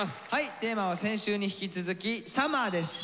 テーマは先週に引き続き「ＳＵＭＭＥＲ」です。